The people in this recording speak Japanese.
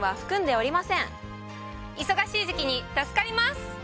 忙しい時期に助かります！